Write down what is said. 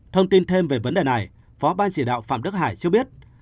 thông tin thêm về vấn đề này phó ban chỉ đạo phạm đức hải cho biết